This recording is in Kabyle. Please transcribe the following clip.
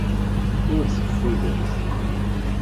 Ur teffudemt.